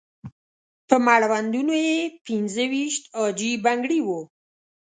په مړوندونو یې پنځه ويشت عاجي بنګړي وو.